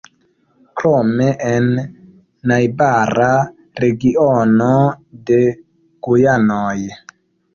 Krome en najbara regiono de Gujanoj.